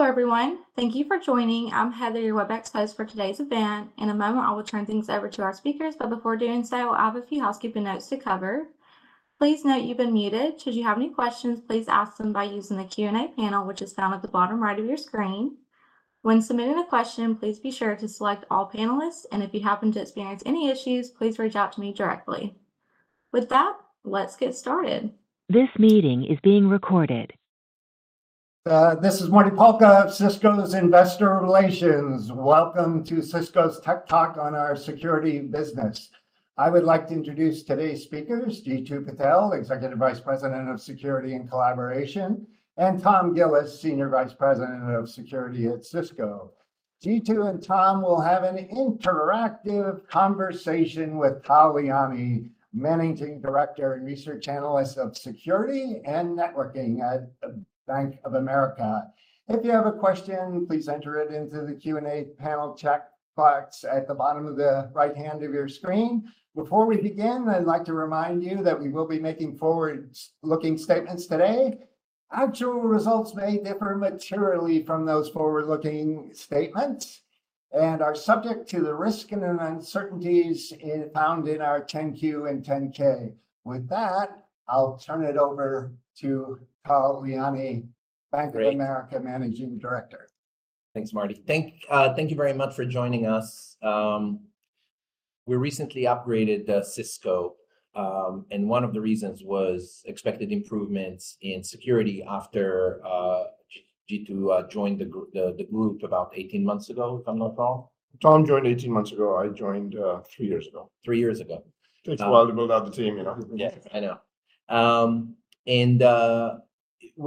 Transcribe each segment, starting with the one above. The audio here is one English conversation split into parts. Hello everyone, thank you for joining. I'm Heather Jerkovich for today's event, and in a moment I will turn things over to our speakers, but before doing so I have a few housekeeping notes to cover. Please note you've been muted; should you have any questions, please ask them by using the Q&A panel which is found at the bottom right of your screen. When submitting a question, please be sure to select All Panelists, and if you happen to experience any issues, please reach out to me directly. With that, let's get started. This meeting is being recorded. This is Marty Palka, Cisco's Investor Relations. Welcome to Cisco's Tech Talk on our security business. I would like to introduce today's speakers, Jeetu Patel, Executive Vice President of Security and Collaboration, and Tom Gillis, Senior Vice President of Security at Cisco. Jeetu and Tom will have an interactive conversation with Tal Liani, Managing Director and Research Analyst of Security and Networking at Bank of America. If you have a question, please enter it into the Q&A panel chat box at the bottom of the right hand of your screen. Before we begin, I'd like to remind you that we will be making forward-looking statements today. Actual results may differ materially from those forward-looking statements, and are subject to the risk and uncertainties found in our 10-Q and 10-K. With that, I'll turn it over to Tal Liani, Bank of America Managing Director. Thanks, Marty. Thank you very much for joining us. We recently upgraded Cisco, and one of the reasons was expected improvements in security after Jeetu joined the group about 18 months ago, if I'm not wrong. Tom joined 18 months ago. I joined three years ago. 3 years ago. It's while they build out the team, you know. Yes, I know. We're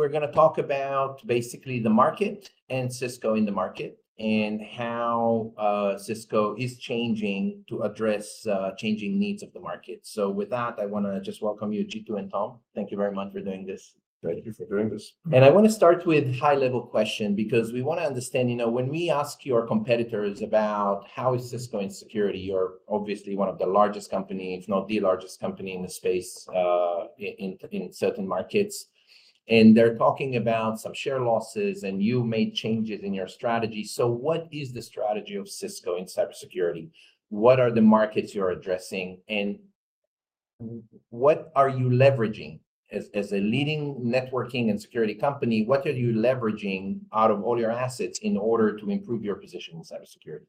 going to talk about basically the market and Cisco in the market and how Cisco is changing to address changing needs of the market. With that, I want to just welcome you, Jeetu and Tom. Thank you very much for doing this. Thank you for doing this. I want to start with a high-level question because we want to understand, you know, when we ask your competitors about how is Cisco in security, you're obviously one of the largest companies, if not the largest company in the space in certain markets, and they're talking about some share losses and you made changes in your strategy. What is the strategy of Cisco in cybersecurity? What are the markets you're addressing? What are you leveraging as a leading networking and security company? What are you leveraging out of all your assets in order to improve your position in cybersecurity?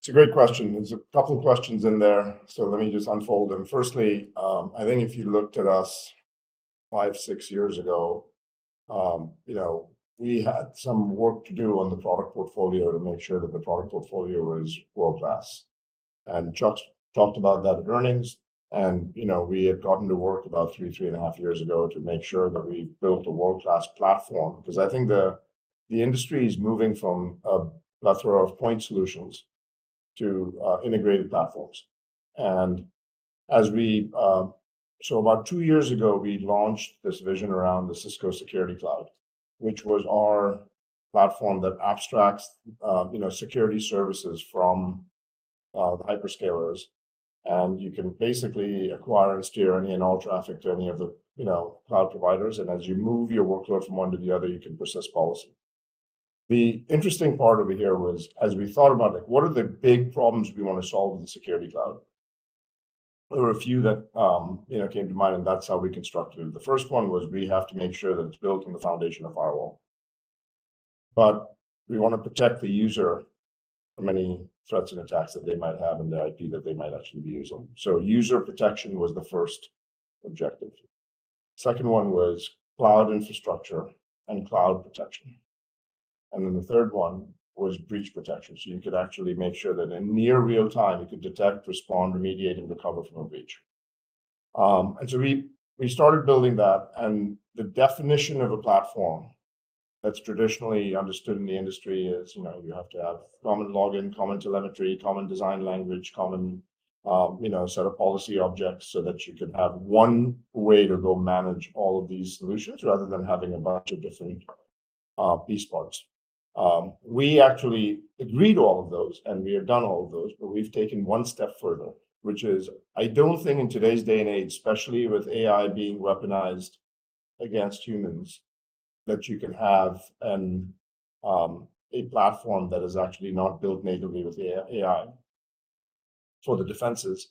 It's a great question. There's a couple of questions in there, so let me just unfold them. Firstly, I think if you looked at us five years, six years ago, you know, we had some work to do on the product portfolio to make sure that the product portfolio was world-class. And Chuck talked about that at earnings, and, you know, we had gotten to work about three years, 3.5 years ago to make sure that we built a world-class platform because I think the industry is moving from a plethora of point solutions to integrated platforms. And as we so about two years ago, we launched this vision around the Cisco Security Cloud, which was our platform that abstracts, you know, security services from the hyperscalers, and you can basically acquire and steer any and all traffic to any of the, you know, cloud providers. And as you move your workload from one to the other, you can persist policy. The interesting part over here was, as we thought about it, what are the big problems we want to solve in the security cloud? There were a few that, you know, came to mind, and that's how we constructed it. The first one was we have to make sure that it's built on the foundation of firewall. But we want to protect the user from any threats and attacks that they might have and the IP that they might actually be using. So user protection was the first objective. The second one was cloud infrastructure and cloud protection. And then the third one was breach protection, so you could actually make sure that in near real time, you could detect, respond, remediate, and recover from a breach. And so we started building that, and the definition of a platform that's traditionally understood in the industry is, you know, you have to have common login, common telemetry, common design language, common, you know, set of policy objects so that you could have one way to go manage all of these solutions rather than having a bunch of different piece parts. We actually agreed to all of those, and we have done all of those, but we've taken one step further, which is I don't think in today's day and age, especially with AI being weaponized against humans, that you can have a platform that is actually not built natively with AI for the defenses.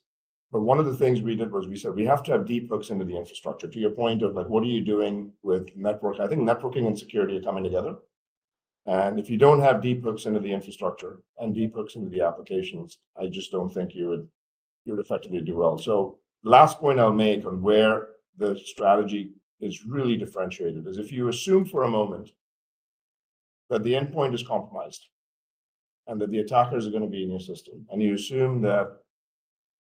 But one of the things we did was we said we have to have deep hooks into the infrastructure. To your point of, like, what are you doing with network? I think networking and security are coming together. And if you don't have deep hooks into the infrastructure and deep hooks into the applications, I just don't think you would effectively do well. So the last point I'll make on where the strategy is really differentiated is if you assume for a moment that the endpoint is compromised and that the attackers are going to be in your system, and you assume that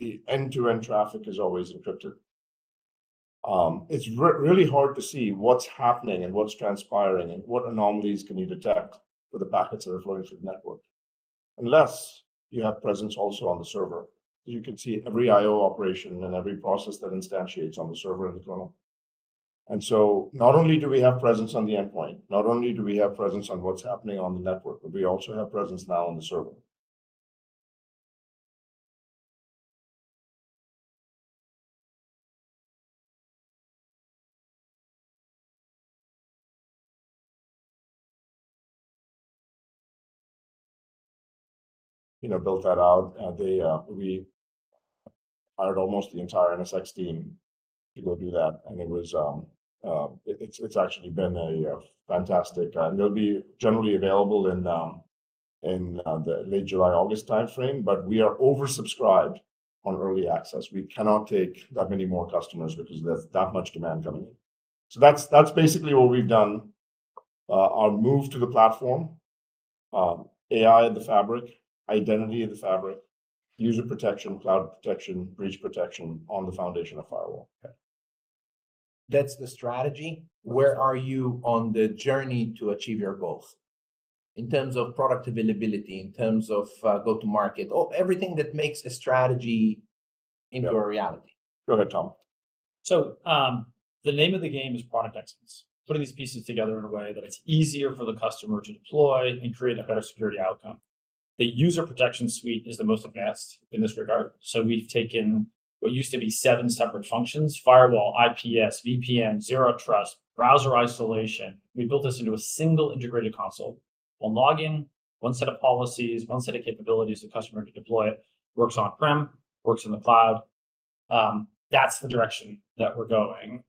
the end-to-end traffic is always encrypted. It's really hard to see what's happening and what's transpiring and what anomalies can you detect for the packets that are flowing through the network unless you have presence also on the server. You can see every I/O operation and every process that instantiates on the server and the kernel. So not only do we have presence on the endpoint, not only do we have presence on what's happening on the network, but we also have presence now on the server. You know, built that out. We hired almost the entire NSX team to go do that, and it was, it's actually been fantastic. And they'll be generally available in the late July, August timeframe, but we are oversubscribed on early access. We cannot take that many more customers because there's that much demand coming in. So that's basically what we've done. Our move to the platform: AI at the fabric, identity at the fabric, user protection, cloud protection, breach protection on the foundation of firewall. That's the strategy. Where are you on the journey to achieve your goals in terms of product availability, in terms of go-to-market, everything that makes a strategy into a reality? Go ahead, Tom. So the name of the game is product excellence, putting these pieces together in a way that it's easier for the customer to deploy and create a better security outcome. The user protection suite is the most advanced in this regard. We've taken what used to be seven separate functions: firewall, IPS, VPN, Zero Trust, browser isolation. We built this into a single integrated console. While logging, one set of policies, one set of capabilities the customer can deploy it, works on-prem, works in the cloud. That's the direction that we're going.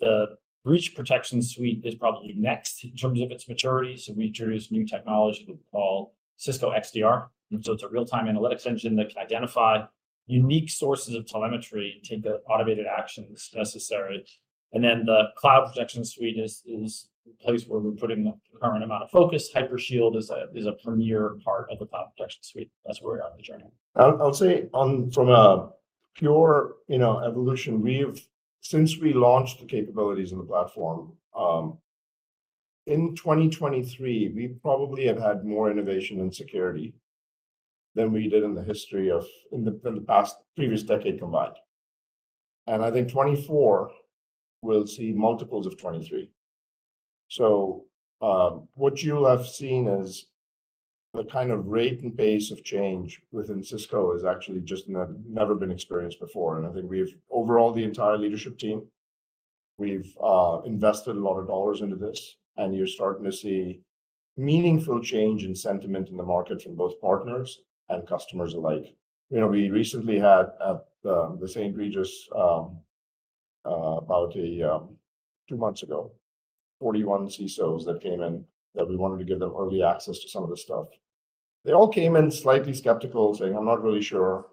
The breach protection suite is probably next in terms of its maturity. We introduced new technology that we call Cisco XDR. It's a real-time analytics engine that can identify unique sources of telemetry, take the automated actions necessary. Then the cloud protection suite is the place where we're putting the current amount of focus. Hypershield is a premier part of the cloud protection suite. That's where we are on the journey. I'll say from a pure evolution, we've, since we launched the capabilities in the platform, in 2023, we probably have had more innovation in security than we did in the history of in the past previous decade combined. And I think 2024 we'll see multiples of 2023. So what you'll have seen is the kind of rate and pace of change within Cisco has actually just never been experienced before. And I think we've, overall the entire leadership team, we've invested a lot of dollars into this, and you're starting to see meaningful change in sentiment in the market from both partners and customers alike. You know, we recently had at The St. Regis about two months ago, 41 CISOs that came in that we wanted to give them early access to some of the stuff. They all came in slightly skeptical, saying, "I'm not really sure."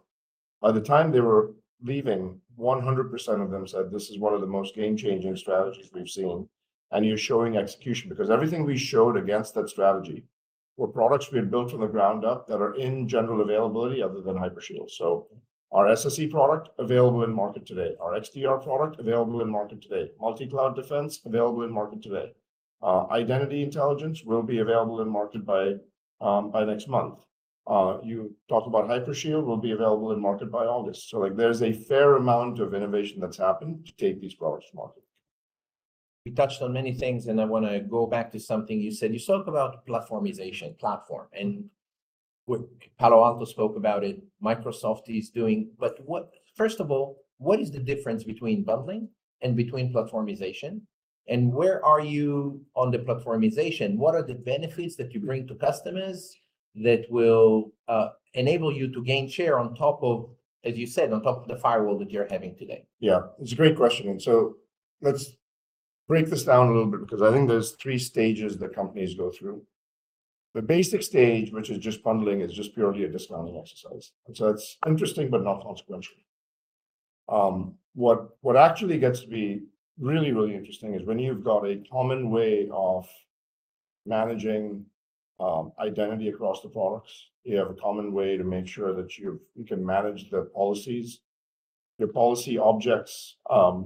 By the time they were leaving, 100% of them said, "This is one of the most game-changing strategies we've seen." And you're showing execution because everything we showed against that strategy were products we had built from the ground up that are in general availability other than Hypershield. So our SSE product available in market today, our XDR product available in market today, Multicloud Defense available in market today. Identity Intelligence will be available in market by next month. You talk about Hypershield will be available in market by August. So there's a fair amount of innovation that's happened to take these products to market. We touched on many things, and I want to go back to something you said. You spoke about platformization, platform, and Palo Alto spoke about it. Microsoft is doing but what first of all, what is the difference between bundling and between platformization? And where are you on the platformization? What are the benefits that you bring to customers that will enable you to gain share on top of, as you said, on top of the firewall that you're having today? Yeah, it's a great question. And so let's break this down a little bit because I think there's three stages that companies go through. The basic stage, which is just bundling, is just purely a discounting exercise. So that's interesting but not consequential. What actually gets to be really, really interesting is when you've got a common way of managing identity across the products, you have a common way to make sure that you can manage the policies. Your policy objects are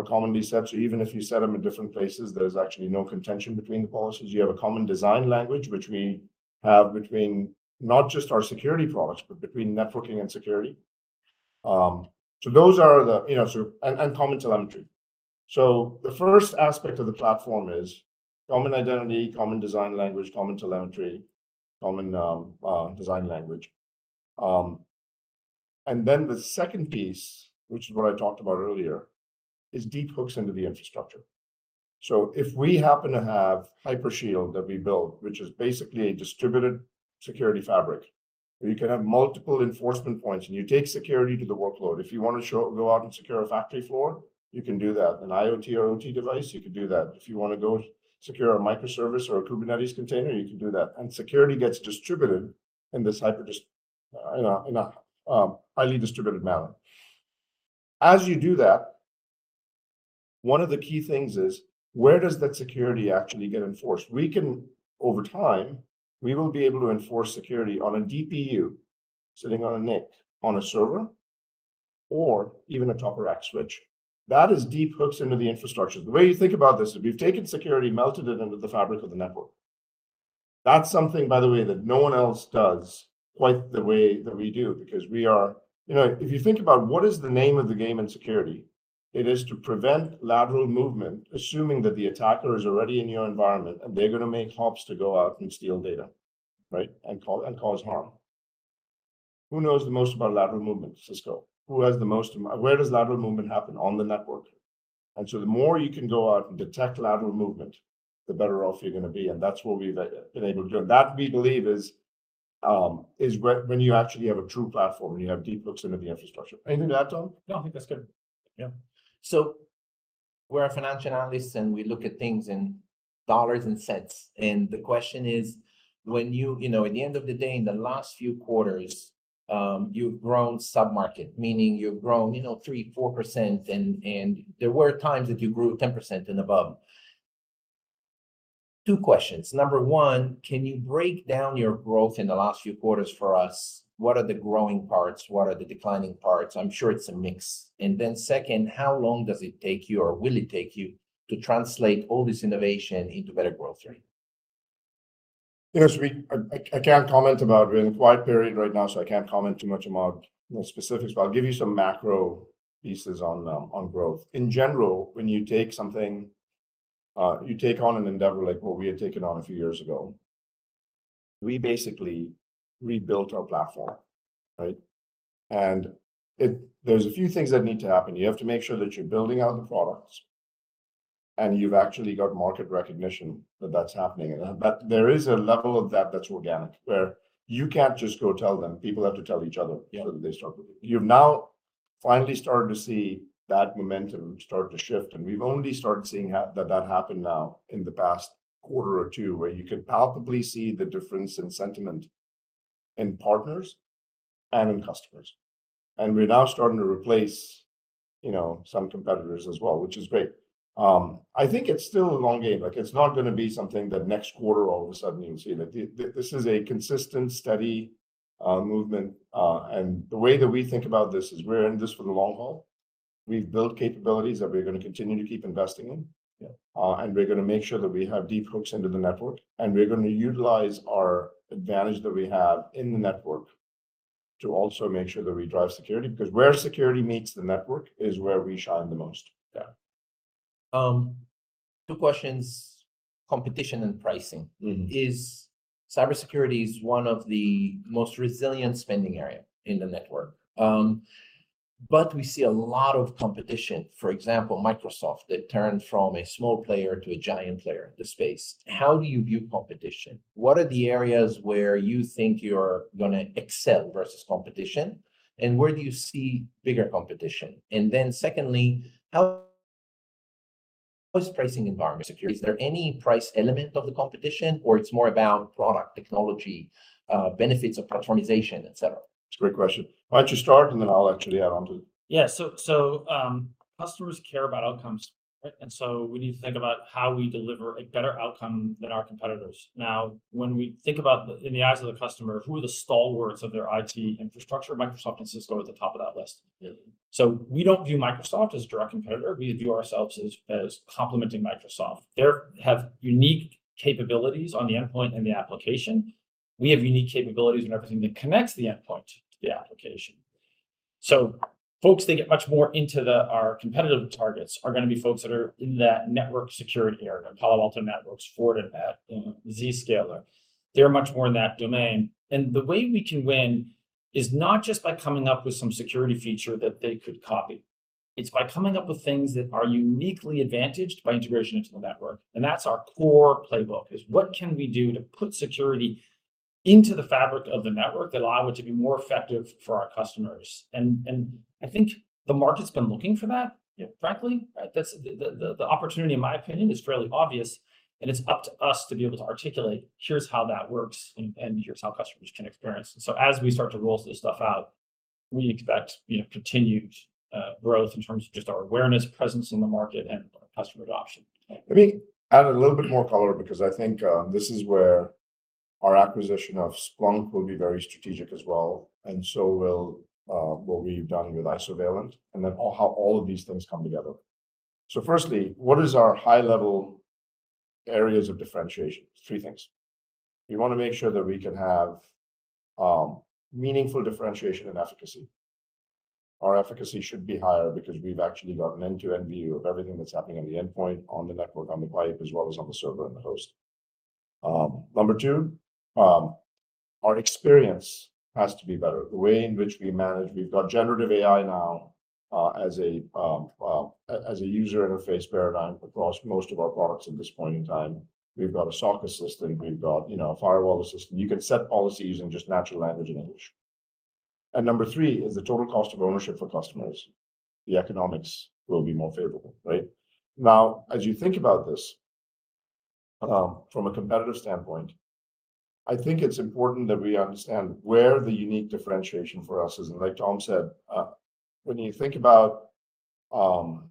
commonly set, so even if you set them in different places, there's actually no contention between the policies. You have a common design language, which we have between not just our security products, but between networking and security. So those are the, you know, so and common telemetry. So the first aspect of the platform is common identity, common design language, common telemetry, common design language. And then the second piece, which is what I talked about earlier, is deep hooks into the infrastructure. So if we happen to have Hypershield that we built, which is basically a distributed security fabric, you can have multiple enforcement points, and you take security to the workload. If you want to go out and secure a factory floor, you can do that. An IoT or OT device, you can do that. If you want to go secure a microservice or a Kubernetes container, you can do that. And security gets distributed in this hyper in a highly distributed manner. As you do that, one of the key things is where does that security actually get enforced? We can over time, we will be able to enforce security on a DPU sitting on a NIC on a server or even a top rack switch. That is deep hooks into the infrastructure. The way you think about this is we've taken security, melted it into the fabric of the network. That's something, by the way, that no one else does quite the way that we do because we are, you know, if you think about what is the name of the game in security, it is to prevent lateral movement, assuming that the attacker is already in your environment and they're going to make hops to go out and steal data, right, and cause harm. Who knows the most about lateral movement, Cisco? Who has the most where does lateral movement happen on the network? And so the more you can go out and detect lateral movement, the better off you're going to be. And that's what we've been able to do. That, we believe, is when you actually have a true platform and you have deep hooks into the infrastructure. Anything to add, Tom? No, I think that's good. Yeah. So we're a financial analyst, and we look at things in dollars and cents. And the question is, when you, you know, at the end of the day, in the last few quarters, you've grown submarket, meaning you've grown, you know, 3%, 4%, and there were times that you grew 10% and above. Two questions. Number one, can you break down your growth in the last few quarters for us? What are the growing parts? What are the declining parts? I'm sure it's a mix. And then second, how long does it take you or will it take you to translate all this innovation into better growth rate? Yes, I can't comment about. We're in a quiet period right now, so I can't comment too much about specifics. But I'll give you some macro pieces on growth. In general, when you take something, you take on an endeavor like what we had taken on a few years ago. We basically rebuilt our platform, right? And there's a few things that need to happen. You have to make sure that you're building out the products. And you've actually got market recognition that that's happening. But there is a level of that that's organic where you can't just go tell them. People have to tell each other so that they start moving. You've now finally started to see that momentum start to shift, and we've only started seeing that happen now in the past quarter or two where you could palpably see the difference in sentiment in partners and in customers. And we're now starting to replace, you know, some competitors as well, which is great. I think it's still a long game. It's not going to be something that next quarter all of a sudden you'll see. This is a consistent, steady movement. And the way that we think about this is we're in this for the long haul. We've built capabilities that we're going to continue to keep investing in. We're going to make sure that we have deep hooks into the network, and we're going to utilize our advantage that we have in the network to also make sure that we drive security because where security meets the network is where we shine the most. Yeah. Two questions. Competition and pricing. Cybersecurity is one of the most resilient spending areas in the network. But we see a lot of competition. For example, Microsoft that turned from a small player to a giant player in the space. How do you view competition? What are the areas where you think you're going to excel versus competition? And where do you see bigger competition? And then secondly, how is the pricing environment? Security? Is there any price element of the competition, or it's more about product, technology, benefits of platformization, etc.? That's a great question. Why don't you start, and then I'll actually add on to it. Yeah. So customers care about outcomes, right? And so we need to think about how we deliver a better outcome than our competitors. Now, when we think about in the eyes of the customer, who are the stalwarts of their IT infrastructure? Microsoft and Cisco are at the top of that list. So we don't view Microsoft as a direct competitor. We view ourselves as complementing Microsoft. They have unique capabilities on the endpoint and the application. We have unique capabilities and everything that connects the endpoint to the application. So folks that get much more into our competitive targets are going to be folks that are in that network security area: Palo Alto Networks, Fortinet, Zscaler. They're much more in that domain. And the way we can win is not just by coming up with some security feature that they could copy. It's by coming up with things that are uniquely advantaged by integration into the network. And that's our core playbook: what can we do to put security into the fabric of the network that allows it to be more effective for our customers? And I think the market's been looking for that, frankly, right? The opportunity, in my opinion, is fairly obvious. And it's up to us to be able to articulate, "Here's how that works, and here's how customers can experience." And so as we start to roll this stuff out, we expect continued growth in terms of just our awareness, presence in the market, and customer adoption. Let me add a little bit more color because I think this is where our acquisition of Splunk will be very strategic as well, and so will what we've done with Isovalent, and then how all of these things come together. So firstly, what are our high-level areas of differentiation? Three things. We want to make sure that we can have meaningful differentiation and efficacy. Our efficacy should be higher because we've actually got an end-to-end view of everything that's happening on the endpoint, on the network, on the pipe, as well as on the server and the host. Number two, our experience has to be better. The way in which we manage, we've got generative AI now as a user interface paradigm across most of our products at this point in time. We've got a SOC assistant. We've got a firewall assistant. You can set policies in just natural language and English. And number three is the total cost of ownership for customers. The economics will be more favorable, right? Now, as you think about this from a competitive standpoint, I think it's important that we understand where the unique differentiation for us is. And like Tom said, when you think about the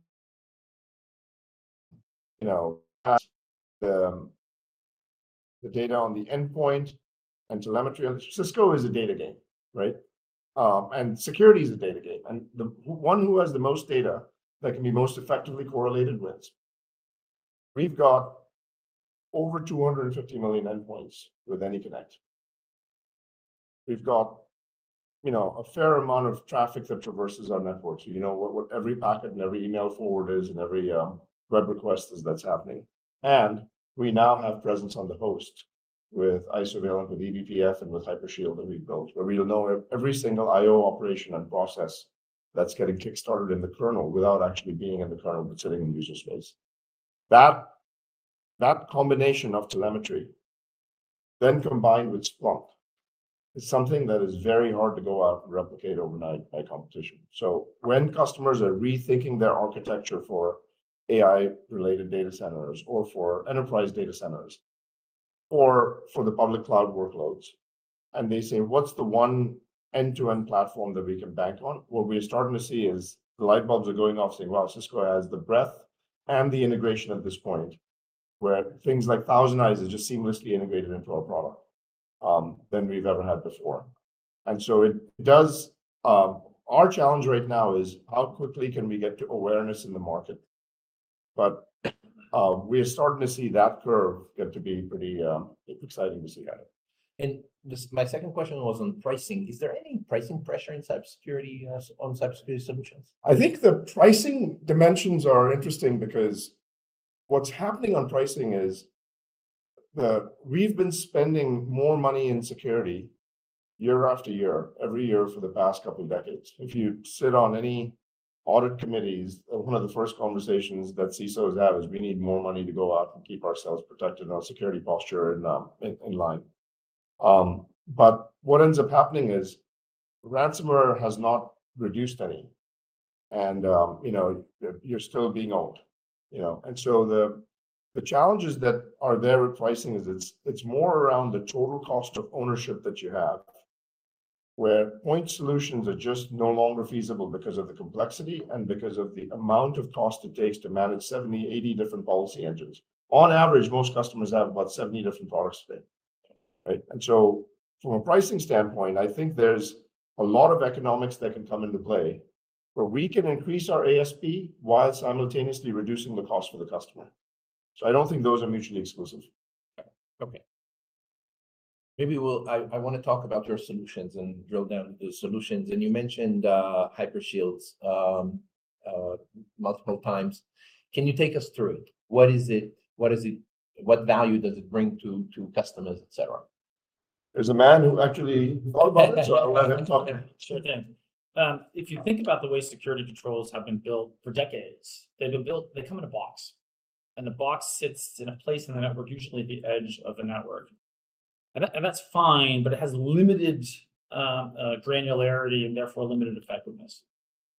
data on the endpoint and telemetry on the Cisco is a data game, right? And security is a data game. And the one who has the most data that can be most effectively correlated wins. We've got over 250 million endpoints with AnyConnect. We've got a fair amount of traffic that traverses our network. So you know what every packet and every email forward is and every web request is that's happening. We now have presence on the host with Isovalent, with eBPF, and with Hypershield that we've built, where we'll know every single I/O operation and process that's getting kickstarted in the kernel without actually being in the kernel but sitting in the user space. That combination of telemetry, then combined with Splunk, is something that is very hard to go out and replicate overnight by competition. So when customers are rethinking their architecture for AI-related data centers or for enterprise data centers or for the public cloud workloads, and they say, "What's the one end-to-end platform that we can bank on?" What we are starting to see is the light bulbs are going off saying, "Wow, Cisco has the breadth and the integration at this point where things like ThousandEyes are just seamlessly integrated into our product than we've ever had before." And so it does our challenge right now is how quickly can we get to awareness in the market? But we are starting to see that curve get to be pretty exciting to see at it. My second question was on pricing. Is there any pricing pressure in cybersecurity on cybersecurity solutions? I think the pricing dimensions are interesting because what's happening on pricing is we've been spending more money in security year after year, every year for the past couple of decades. If you sit on any audit committees, one of the first conversations that CISOs have is, "We need more money to go out and keep ourselves protected and our security posture in line." But what ends up happening is ransomware has not reduced any. And you're still being owed. And so the challenges that are there with pricing is it's more around the total cost of ownership that you have. Where point solutions are just no longer feasible because of the complexity and because of the amount of cost it takes to manage 70, 80 different policy engines. On average, most customers have about 70 different products today, right? From a pricing standpoint, I think there's a lot of economics that can come into play where we can increase our ASP while simultaneously reducing the cost for the customer. I don't think those are mutually exclusive. Okay. Maybe we'll I want to talk about your solutions and drill down to the solutions. You mentioned Hypershield multiple times. Can you take us through it? What is it? What value does it bring to customers, etc.? There's a man who actually thought about it, so I'll let him talk. Sure thing. If you think about the way security controls have been built for decades, they've been built. They come in a box. The box sits in a place in the network, usually at the edge of the network. That's fine, but it has limited granularity and therefore limited effectiveness.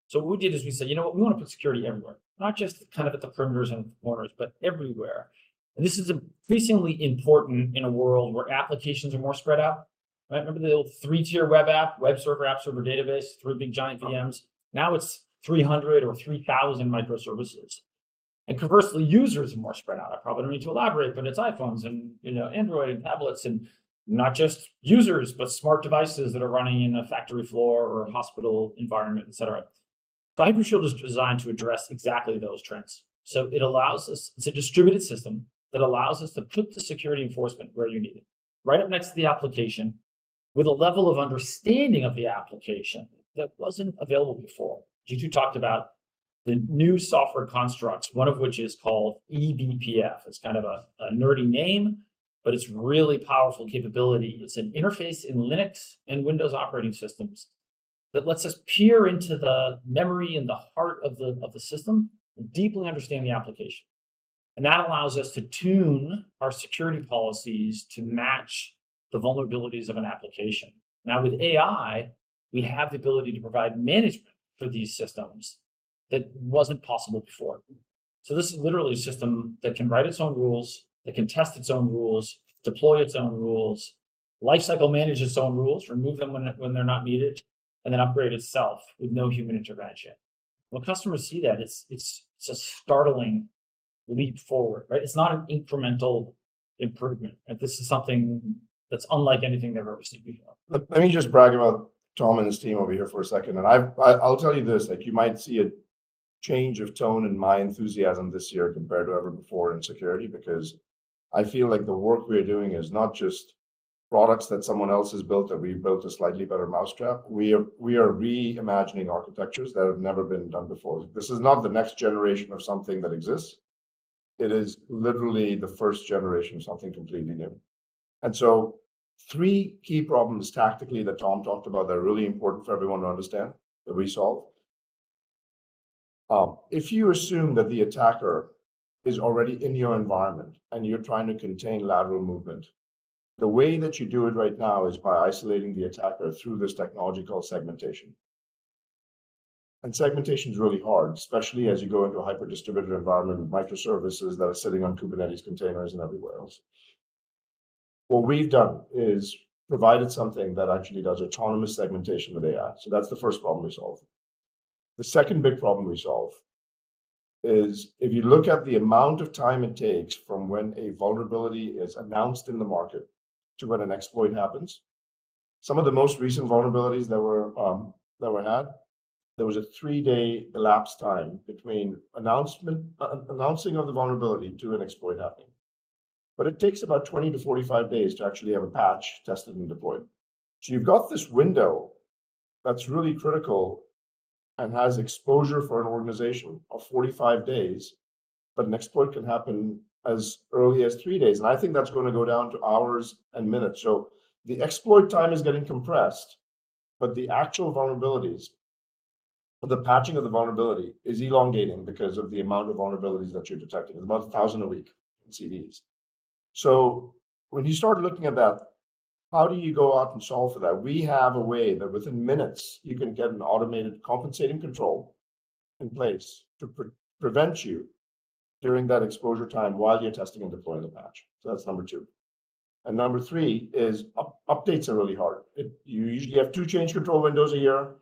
So what we did is we said, "You know what? We want to put security everywhere. Not just kind of at the perimeters and at the corners, but everywhere." This is increasingly important in a world where applications are more spread out, right? Remember the little three-tier web app, web server, app server, database through big giant VMs? Now it's 300 or 3,000 microservices. Conversely, users are more spread out. I probably don't need to elaborate, but it's iPhones and Android and tablets and not just users, but smart devices that are running in a factory floor or a hospital environment, etc. So Hypershield is designed to address exactly those trends. So it allows us. It's a distributed system that allows us to put the security enforcement where you need it, right up next to the application with a level of understanding of the application that wasn't available before. Jeetu talked about the new software constructs, one of which is called eBPF. It's kind of a nerdy name, but it's really powerful capability. It's an interface in Linux and Windows operating systems that lets us peer into the memory and the heart of the system and deeply understand the application. And that allows us to tune our security policies to match the vulnerabilities of an application. Now, with AI, we have the ability to provide management for these systems that wasn't possible before. So this is literally a system that can write its own rules, that can test its own rules, deploy its own rules, lifecycle manage its own rules, remove them when they're not needed, and then upgrade itself with no human intervention. When customers see that, it's a startling leap forward, right? It's not an incremental improvement. This is something that's unlike anything they've ever seen before. Let me just brag about Tom and his team over here for a second. And I'll tell you this. You might see a change of tone in my enthusiasm this year compared to ever before in security because I feel like the work we are doing is not just products that someone else has built that we've built a slightly better mousetrap. We are reimagining architectures that have never been done before. This is not the next generation of something that exists. It is literally the first generation of something completely new. And so three key problems tactically that Tom talked about that are really important for everyone to understand that we solve. If you assume that the attacker is already in your environment and you're trying to contain lateral movement, the way that you do it right now is by isolating the attacker through this technology called segmentation. Segmentation is really hard, especially as you go into a hyper-distributed environment with microservices that are sitting on Kubernetes containers and everywhere else. What we've done is provided something that actually does autonomous segmentation with AI. So that's the first problem we solve. The second big problem we solve is if you look at the amount of time it takes from when a vulnerability is announced in the market to when an exploit happens. Some of the most recent vulnerabilities that were had, there was a three-day elapsed time between announcing of the vulnerability to an exploit happening. But it takes about 20 days-45 days to actually have a patch tested and deployed. So you've got this window that's really critical and has exposure for an organization of 45 days, but an exploit can happen as early as three days. I think that's going to go down to hours and minutes. So the exploit time is getting compressed, but the actual vulnerabilities, the patching of the vulnerability is elongating because of the amount of vulnerabilities that you're detecting. It's about 1,000 a week in CVEs. So when you start looking at that, how do you go out and solve for that? We have a way that within minutes, you can get an automated compensating control in place to prevent you during that exposure time while you're testing and deploying the patch. So that's number two. And number three is updates are really hard. You usually have two change control windows a year.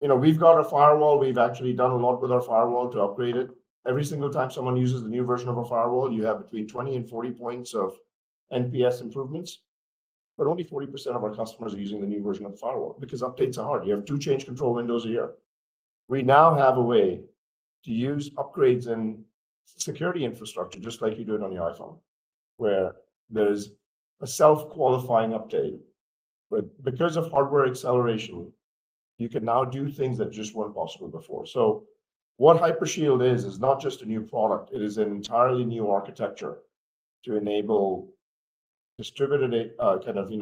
We've got a firewall. We've actually done a lot with our firewall to upgrade it. Every single time someone uses the new version of a firewall, you have between 20 points and 40 points of NPS improvements. But only 40% of our customers are using the new version of the firewall because updates are hard. You have two change control windows a year. We now have a way to use upgrades in security infrastructure just like you do it on your iPhone, where there is a self-qualifying update. But because of hardware acceleration, you can now do things that just weren't possible before. So what Hypershield is, is not just a new product. It is an entirely new architecture to enable distributed kind of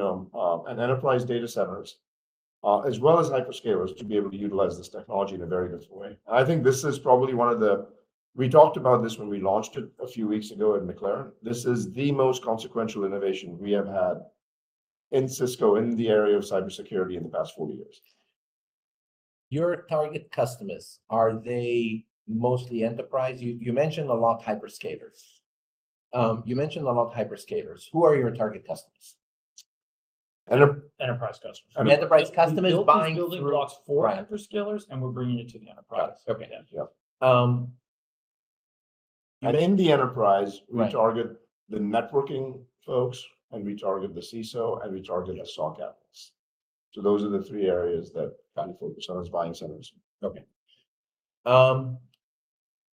enterprise data centers, as well as hyperscalers to be able to utilize this technology in a very different way. And I think this is probably one of the we talked about this when we launched it a few weeks ago at McLaren. This is the most consequential innovation we have had in Cisco in the area of cybersecurity in the past 40 years. Your target customers, are they mostly enterprise? You mentioned a lot hyperscalers. You mentioned a lot hyperscalers. Who are your target customers? Enterprise customers. Enterprise customers buying. We're building blocks for hyperscalers, and we're bringing it to the enterprise. In the enterprise, we target the networking folks, and we target the CISO, and we target the SOC apps. Those are the three areas that kind of focus on us buying centers. Okay.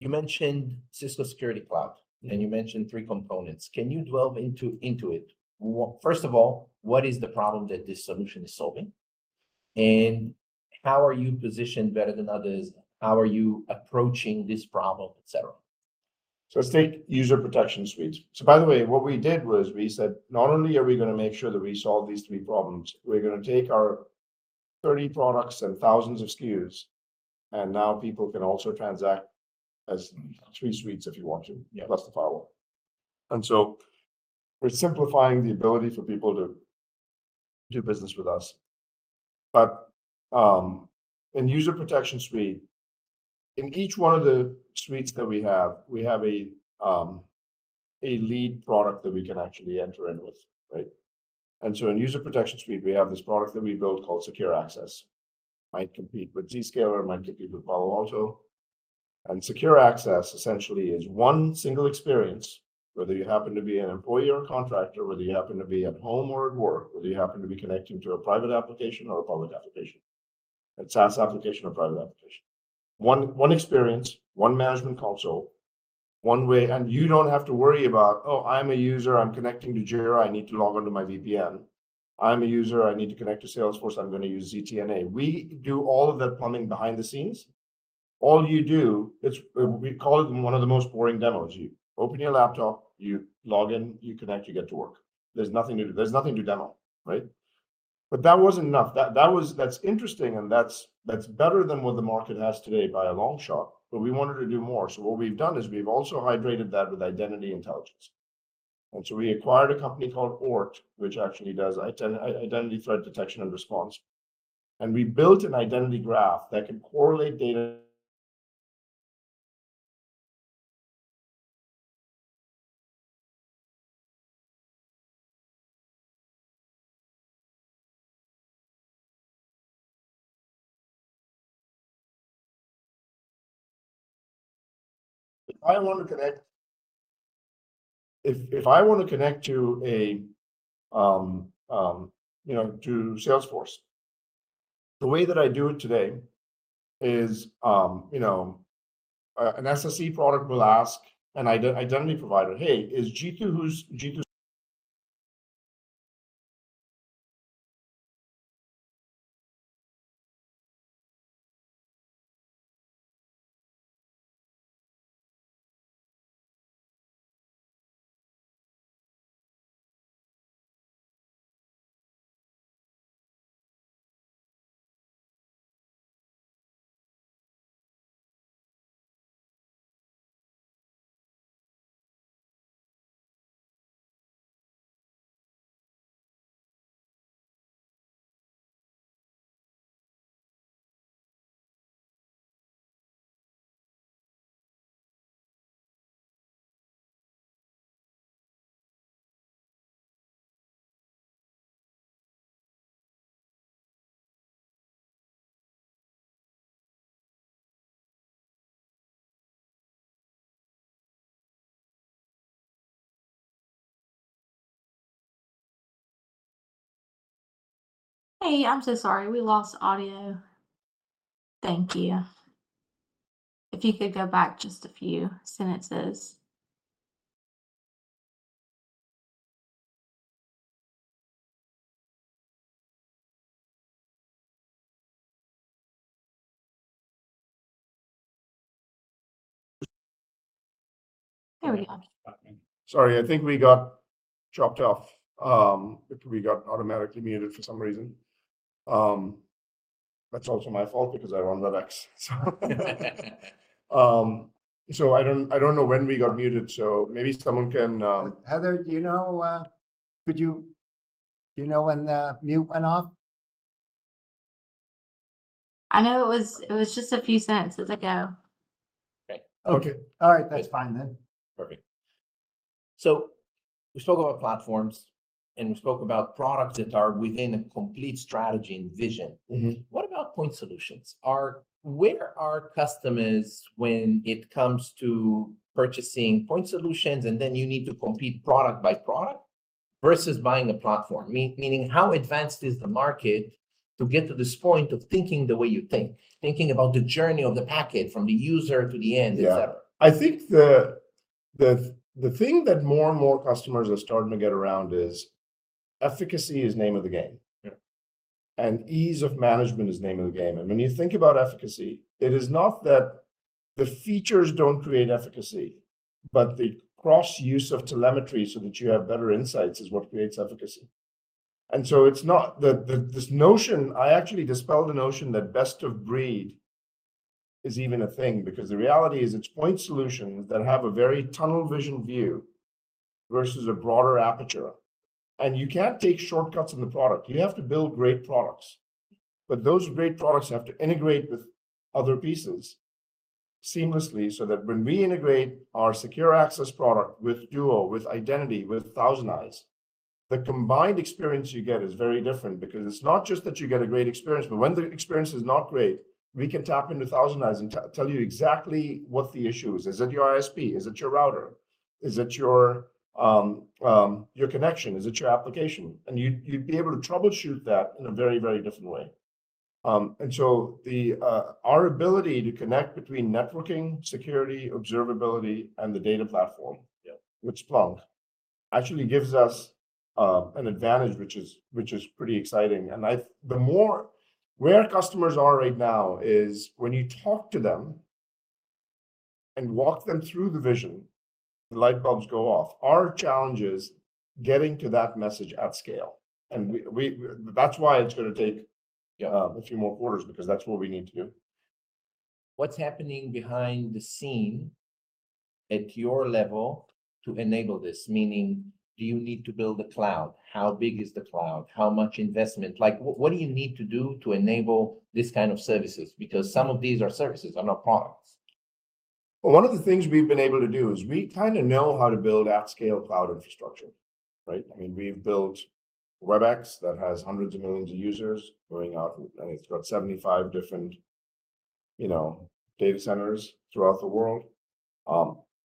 You mentioned Cisco Security Cloud, and you mentioned three components. Can you delve into it? First of all, what is the problem that this solution is solving? And how are you positioned better than others? How are you approaching this problem, etc.? So let's take User Protection Suite. So by the way, what we did was we said, "Not only are we going to make sure that we solve these three problems, we're going to take our 30 products and thousands of SKUs, and now people can also transact as three suites if you want to, plus the firewall." And so we're simplifying the ability for people to do business with us. But in User Protection Suite, in each one of the suites that we have, we have a lead product that we can actually enter in with, right? And so in User Protection Suite, we have this product that we built called Secure Access. Might compete with Zscaler, might compete with Palo Alto. Secure Access, essentially, is one single experience, whether you happen to be an employee or a contractor, whether you happen to be at home or at work, whether you happen to be connecting to a private application or a public application, a SaaS application or private application. One experience, one management console, one way. And you don't have to worry about, "Oh, I'm a user. I'm connecting to Jira. I need to log on to my VPN. I'm a user. I need to connect to Salesforce. I'm going to use ZTNA." We do all of that plumbing behind the scenes. All you do, we call it one of the most boring demos. You open your laptop, you log in, you connect, you get to work. There's nothing to do. There's nothing to demo, right? But that wasn't enough. That's interesting, and that's better than what the market has today by a long shot. But we wanted to do more. So what we've done is we've also hydrated that with identity intelligence. And so we acquired a company called Oort, which actually does identity threat detection and response. And we built an identity graph that can correlate data. If I want to connect to Salesforce, the way that I do it today is an SSE product will ask an identity provider, "Hey, is Jeetu? Who's Jeetu. Hey, I'm so sorry. We lost audio. Thank you. If you could go back just a few sentences. There we go. Sorry, I think we got chopped off. We got automatically muted for some reason. That's also my fault because I run Linux, so. So I don't know when we got muted, so maybe someone can. Heather, do you know when the mute went off? I know it was just a few sentences ago. Okay. All right. That's fine then. Perfect. So we spoke about platforms, and we spoke about products that are within a complete strategy and vision. What about point solutions? Where are customers when it comes to purchasing point solutions and then you need to compete product by product versus buying a platform? Meaning, how advanced is the market to get to this point of thinking the way you think, thinking about the journey of the package from the user to the end, etc.? Yeah. I think the thing that more and more customers are starting to get around is efficacy is name of the game. And ease of management is name of the game. And when you think about efficacy, it is not that the features don't create efficacy, but the cross-use of telemetry so that you have better insights is what creates efficacy. And so it's not this notion I actually dispelled the notion that best of breed is even a thing because the reality is it's point solutions that have a very tunnel-vision view versus a broader aperture. And you can't take shortcuts in the product. You have to build great products. But those great products have to integrate with other pieces seamlessly so that when we integrate our Secure Access product with Duo, with Identity, with ThousandEyes, the combined experience you get is very different because it's not just that you get a great experience, but when the experience is not great, we can tap into ThousandEyes and tell you exactly what the issue is. Is it your ISP? Is it your router? Is it your connection? Is it your application? And you'd be able to troubleshoot that in a very, very different way. And so our ability to connect between networking, security, observability, and the data platform, which Splunk, actually gives us an advantage, which is pretty exciting. And the more where customers are right now is when you talk to them and walk them through the vision, the light bulbs go off. Our challenge is getting to that message at scale. That's why it's going to take a few more quarters because that's what we need to do. What's happening behind the scenes at your level to enable this? Meaning, do you need to build a cloud? How big is the cloud? How much investment? What do you need to do to enable this kind of services? Because some of these are services. They're not products. Well, one of the things we've been able to do is we kind of know how to build at-scale cloud infrastructure, right? I mean, we've built Webex that has hundreds of millions of users going out, and it's got 75 different data centers throughout the world.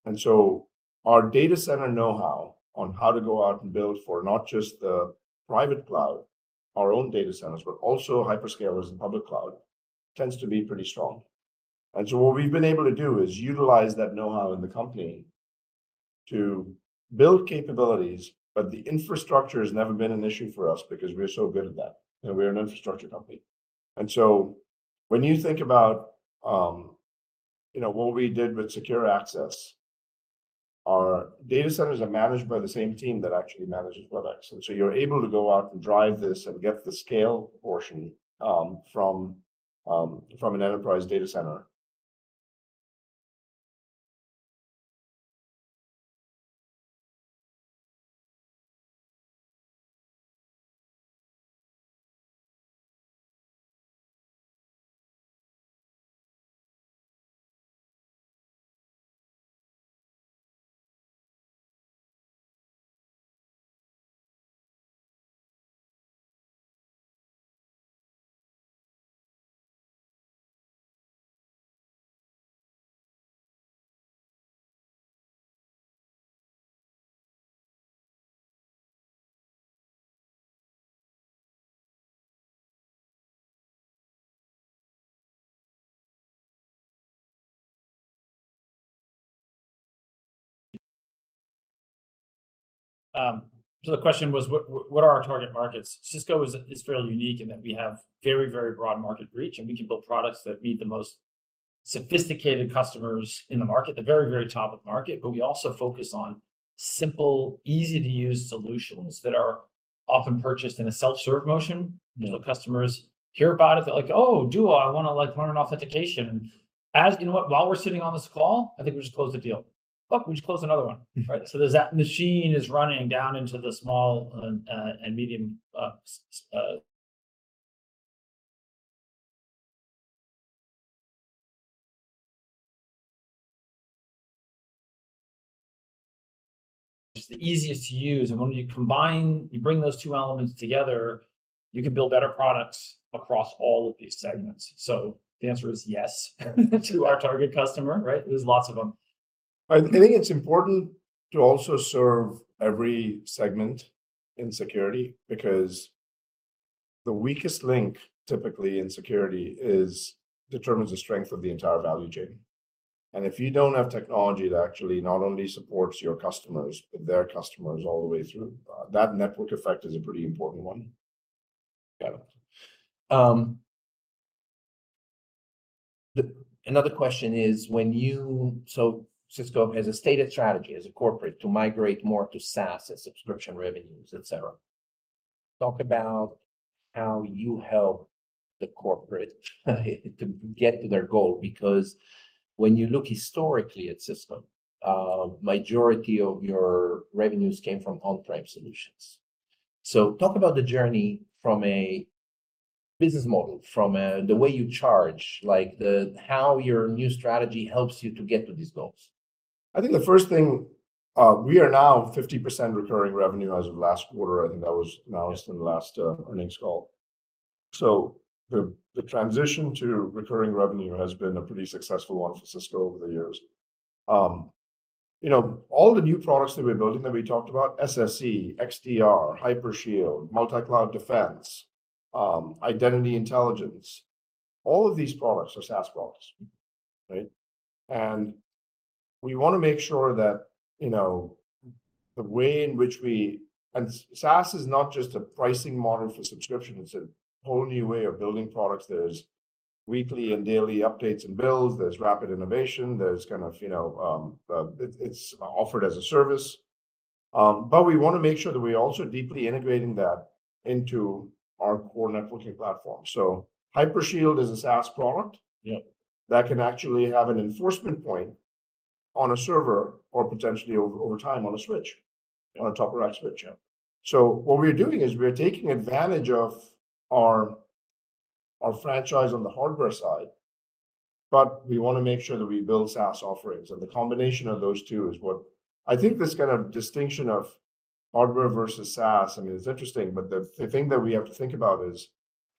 And so our data center know-how on how to go out and build for not just the private cloud, our own data centers, but also hyperscalers and public cloud tends to be pretty strong. And so what we've been able to do is utilize that know-how in the company to build capabilities, but the infrastructure has never been an issue for us because we're so good at that. And we're an infrastructure company. And so when you think about what we did with Secure Access, our data centers are managed by the same team that actually manages Webex. So you're able to go out and drive this and get the scale portion from an enterprise data center. So the question was, what are our target markets? Cisco is fairly unique in that we have very, very broad market reach, and we can build products that meet the most sophisticated customers in the market, the very, very top of the market. But we also focus on simple, easy-to-use solutions that are often purchased in a self-serve motion. So customers hear about it. They're like, "Oh, Duo, I want to learn authentication." And you know what? While we're sitting on this call, I think we just closed a deal. Look, we just closed another one, right? So that machine is running down into the small and medium. It's the easiest to use. When you combine, you bring those two elements together, you can build better products across all of these segments. So the answer is yes to our target customer, right? There's lots of them. I think it's important to also serve every segment in security because the weakest link, typically, in security determines the strength of the entire value chain. And if you don't have technology that actually not only supports your customers, but their customers all the way through, that network effect is a pretty important one. Got it. Another question is, when you see Cisco, as a stated strategy, as a corporation, to migrate more to SaaS as subscription revenues, etc. Talk about how you help the corporation to get to their goal because when you look historically at Cisco, the majority of your revenues came from on-prem solutions. So talk about the journey from a business model, from the way you charge, how your new strategy helps you to get to these goals. I think the first thing, we are now 50% recurring revenue as of last quarter. I think that was announced in the last earnings call. So the transition to recurring revenue has been a pretty successful one for Cisco over the years. All the new products that we're building that we talked about, SSE, XDR, Hypershield, Multicloud Defense, Identity Intelligence, all of these products are SaaS products, right? And we want to make sure that the way in which we and SaaS is not just a pricing model for subscription. It's a whole new way of building products. There's weekly and daily updates and builds. There's rapid innovation. There's kind of it's offered as a service. But we want to make sure that we're also deeply integrating that into our core networking platform. So Hypershield is a SaaS product that can actually have an enforcement point on a server or potentially over time on a switch, on a top-of-rack switch. So what we're doing is we're taking advantage of our franchise on the hardware side, but we want to make sure that we build SaaS offerings. And the combination of those two is what I think this kind of distinction of hardware versus SaaS, I mean, it's interesting, but the thing that we have to think about is,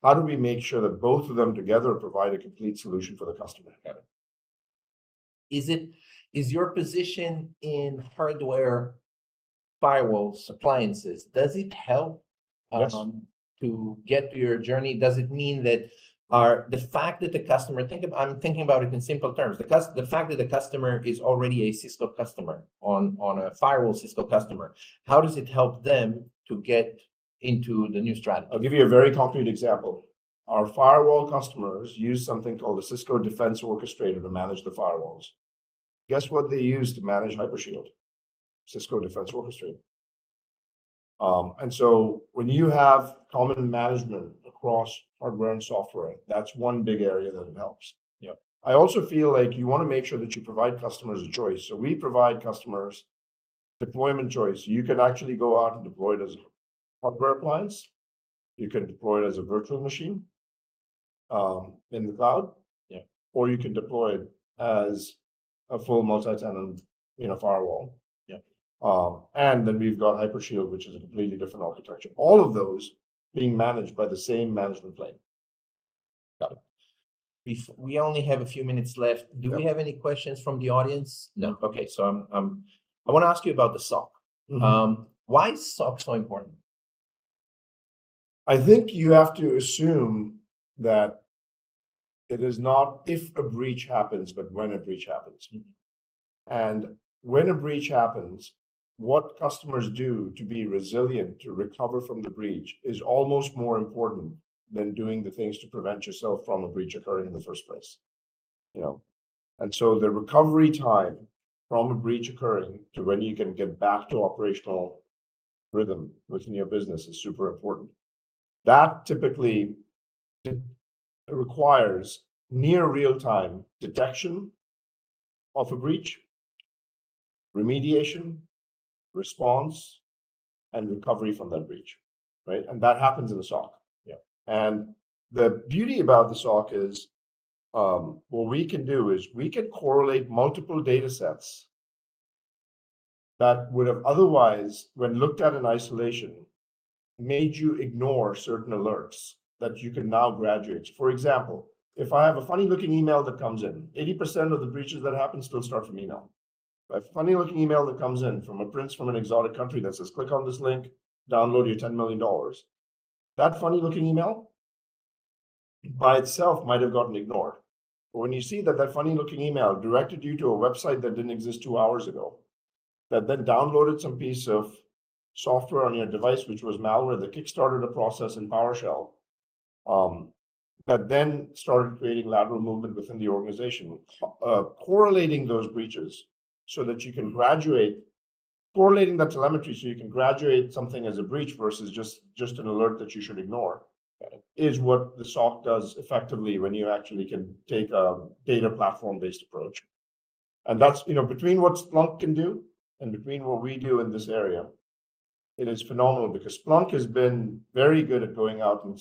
how do we make sure that both of them together provide a complete solution for the customer? Is your position in hardware, firewalls, appliances? Does it help to get to your journey? Does it mean that the fact that the customer think of. I'm thinking about it in simple terms. The fact that the customer is already a Cisco customer, on a firewall Cisco customer, how does it help them to get into the new strategy? I'll give you a very concrete example. Our firewall customers use something called a Cisco Defense Orchestrator to manage the firewalls. Guess what they use to manage Hypershield? Cisco Defense Orchestrator. And so when you have common management across hardware and software, that's one big area that it helps. I also feel like you want to make sure that you provide customers a choice. So we provide customers deployment choice. You can actually go out and deploy it as a hardware appliance. You can deploy it as a virtual machine in the cloud. Or you can deploy it as a full multi-tenant firewall. And then we've got Hypershield, which is a completely different architecture, all of those being managed by the same management plane. Got it. We only have a few minutes left. Do we have any questions from the audience? No? Okay. So I want to ask you about the SOC. Why is SOC so important? I think you have to assume that it is not if a breach happens, but when a breach happens. When a breach happens, what customers do to be resilient, to recover from the breach, is almost more important than doing the things to prevent yourself from a breach occurring in the first place. So the recovery time from a breach occurring to when you can get back to operational rhythm within your business is super important. That typically requires near-real-time detection of a breach, remediation, response, and recovery from that breach, right? That happens in the SOC. The beauty about the SOC is, what we can do is we can correlate multiple datasets that would have otherwise, when looked at in isolation, made you ignore certain alerts that you can now graduate. For example, if I have a funny-looking email that comes in, 80% of the breaches that happen still start from email. A funny-looking email that comes in from a prince from an exotic country that says, "Click on this link. Download your $10 million," that funny-looking email by itself might have gotten ignored. But when you see that that funny-looking email directed you to a website that didn't exist two hours ago, that then downloaded some piece of software on your device, which was malware, that kickstarted a process in PowerShell, that then started creating lateral movement within the organization, correlating those breaches so that you can graduate correlating that telemetry so you can graduate something as a breach versus just an alert that you should ignore is what the SOC does effectively when you actually can take a data platform-based approach. Between what Splunk can do and between what we do in this area, it is phenomenal because Splunk has been very good at going out and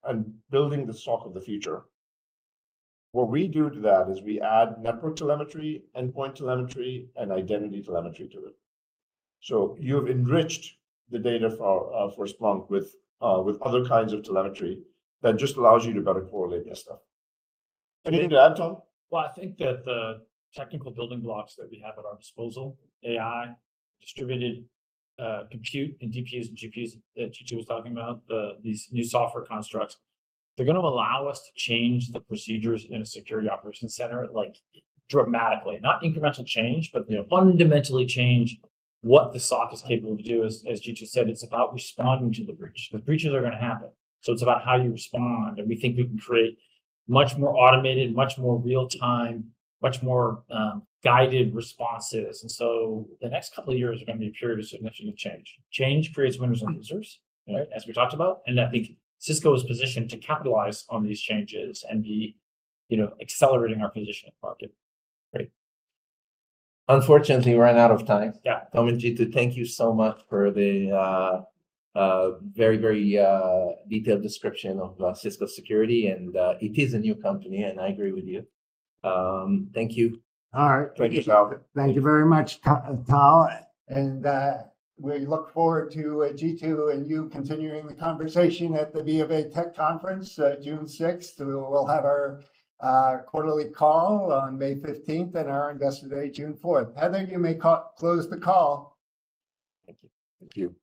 solving and building the SOC of the future. What we do to that is we add network telemetry, endpoint telemetry, and identity telemetry to it. You've enriched the data for Splunk with other kinds of telemetry that just allows you to better correlate this stuff. Anything to add, Tom? Well, I think that the technical building blocks that we have at our disposal, AI, distributed compute, and DPUs and GPUs that Jeetu was talking about, these new software constructs, they're going to allow us to change the procedures in a security operations center dramatically, not incremental change, but fundamentally change what the SOC is capable of doing. As Jeetu said, it's about responding to the breach. The breaches are going to happen. So it's about how you respond. And we think we can create much more automated, much more real-time, much more guided responses. And so the next couple of years are going to be a period of significant change. Change creates winners and losers, right, as we talked about. And I think Cisco is positioned to capitalize on these changes and be accelerating our position in the market, right? Unfortunately, we ran out of time. Tom and Jeetu, thank you so much for the very, very detailed description of Cisco Security. And it is a new company, and I agree with you. Thank you. All right. Thank you, Tal Liani. Thank you very much, Tal. We look forward to Jeetu and you continuing the conversation at the B of A Tech Conference, 6 June 2024. We'll have our quarterly call on 15 May 2024 and our Investor Day, 4 June 2024 Heather, you may close the call. Thank you. Thank you.